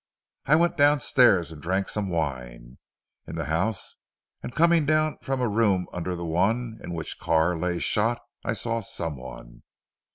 I went downstairs and drank some wine. In the house and coming down from a room under the one in which Carr lay shot I saw someone.